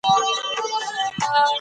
د ډاکټر وخت مه ضایع کوئ.